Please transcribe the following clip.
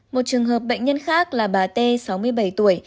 một trường hợp bệnh nhân khác là bà t sáu mươi bảy tuổi